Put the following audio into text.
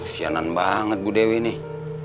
sianan banget bu dewi nih